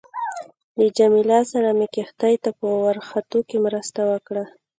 له جميله سره مې کښتۍ ته په ورختو کې مرسته وکړه.